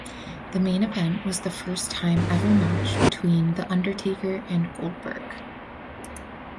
The main event was the first time ever match between The Undertaker and Goldberg.